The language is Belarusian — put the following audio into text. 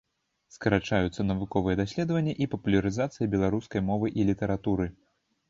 Скарачаюцца навуковыя даследаванні і папулярызацыя беларускай мовы і літаратуры.